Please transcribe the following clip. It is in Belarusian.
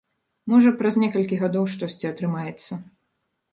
Можа, праз некалькі гадоў штосьці атрымаецца.